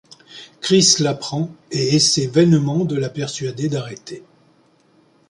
Chris l'apprend et essaie vainement de la persuader d’arrêter.